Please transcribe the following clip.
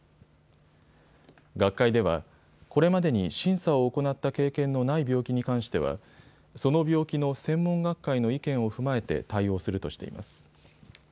学会では、これまでに審査を行った経験のない病気に関してはその病気の専門学会の意見を踏まえて対応するとしています。